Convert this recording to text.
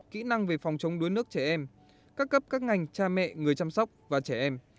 kỹ năng về phòng chống đuối nước trẻ em các cấp các ngành cha mẹ người chăm sóc và trẻ em